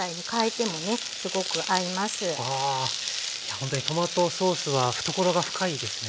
ほんとにトマトソースは懐が深いですね。